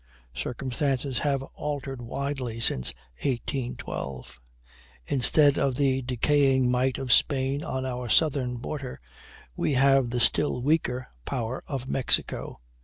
Circumstances have altered widely since 1812. Instead of the decaying might of Spain on our southern frontier, we have the still weaker power of Mexico.